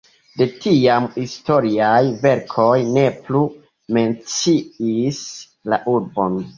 De tiam historiaj verkoj ne plu menciis la urbon.